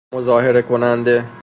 مظاهره کننده